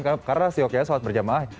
karena sih oke ya sholat berjamaah